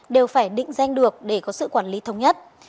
đều phải định danh được để có sự quản lý thống nhất